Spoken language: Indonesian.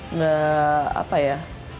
nggak apa ya